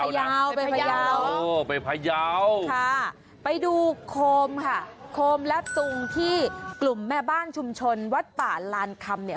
ยาวไปพยาวไปพยาวค่ะไปดูโคมค่ะโคมและซุงที่กลุ่มแม่บ้านชุมชนวัดป่าลานคำเนี่ย